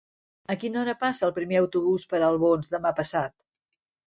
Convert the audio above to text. A quina hora passa el primer autobús per Albons demà passat?